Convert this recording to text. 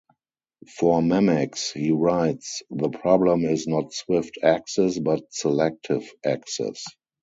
"For Memex," he writes, "the problem is not swift access, but selective access".